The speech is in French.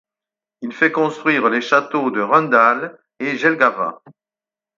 Il fait construire les châteaux de Rundale et de Jelgava.